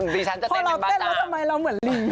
ให้เราเต้นแล้วทำไมเราเหมือนลิง